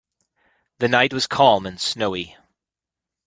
The night was calm and snowy.